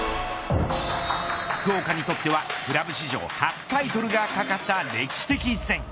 福岡にとってはクラブ史上初タイトルが懸かった歴史的一戦。